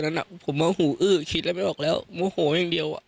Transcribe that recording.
ตอนนั้นอะผมหูอื้อคิดแล้วไม่ได้ออกแล้วโหมโหอย่างเดียวอะ